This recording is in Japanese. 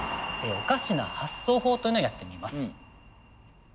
「おかしな発想法」というのをやってみます。